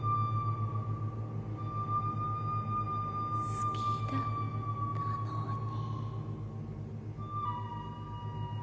好きだったのに。